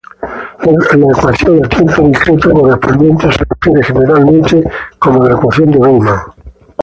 La ecuación a tiempo discreto correspondiente se refiere generalmente como la ecuación de Bellman.